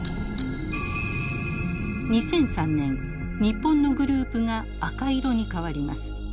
２００３年日本のグループが赤色に変わります。